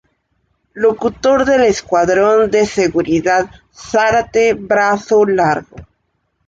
Locutor del Escuadrón de Seguridad Zárate Brazo Largo.